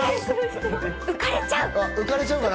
浮かれちゃうかな？